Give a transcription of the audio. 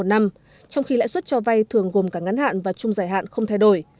trong khi lãi suất cho vay thường gồm cả ngắn hạn và chung giải hạn không thay đổi